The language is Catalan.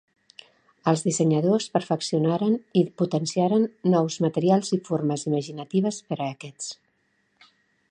Els dissenyadors perfeccionaren i potenciaren nous materials i formes imaginatives per a aquests.